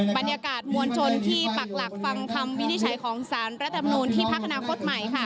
บรรยากาศมวลชนที่ปรักหลักฟังคำวิธีใช้ของสารรัฐธรรมนุนที่พระคณะข้ดใหม่